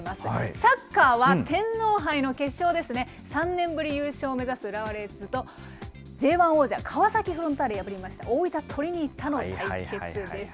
サッカーは天皇杯の決勝ですね、３年ぶり優勝を目指す浦和レッズと、Ｊ１王者、川崎フロンターレを破りました大分トリニータの対決です。